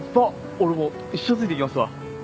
俺もう一生ついていきますわ。